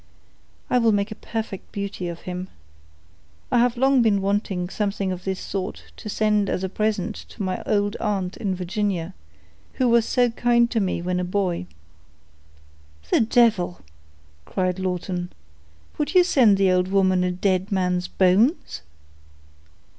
I will make a perfect beauty of him. I have long been wanting something of this sort to send as a present to my old aunt in Virginia, who was so kind to me when a boy." "The devil!" cried Lawton. "Would you send the old woman a dead man's bones?"